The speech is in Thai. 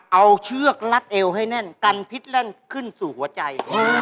เอาเชือกรัดเอวให้แน่นกันพิษแล่นขึ้นสู่หัวใจ